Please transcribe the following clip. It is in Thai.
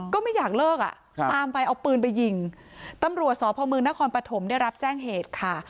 ก็ไม่อยากเลิกอ่ะตามไปเอาปืนไปยิงตำรวจสพมนครปฐมได้รับแจ้งเหตุค่ะ